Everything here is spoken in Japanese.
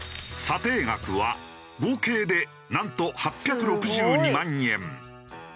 査定額は合計でなんと８６２万円。